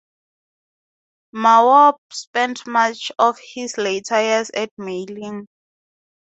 Mao spent much of his later years at Meiling.